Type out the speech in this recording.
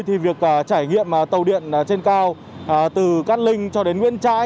thì việc trải nghiệm tàu điện trên cao từ cát linh cho đến nguyễn trãi